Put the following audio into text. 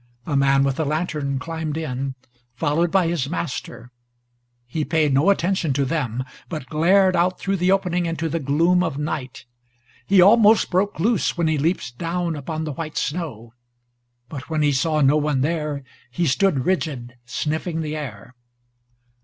A man with a lantern climbed in, followed by his master. He paid no attention to them, but glared out through the opening into the gloom of night. He almost broke loose when he leaped down upon the white snow, but when he saw no one there, he stood rigid, sniffing the air.